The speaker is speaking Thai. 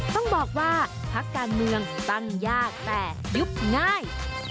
ต้องบอกว่าพักการเมืองตั้งยากแต่ยุบง่าย